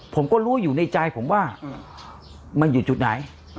ผมก็รู้อยู่ในใจผมว่ามันอยู่จุดไหน